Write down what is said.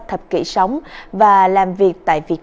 trái tim vẫn là người việt